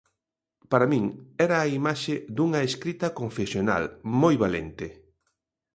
Para min era a imaxe dunha escrita confesional, moi valente.